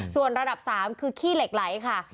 ส่วนระดับ๓คือขี้เหล็กไหลค่ะ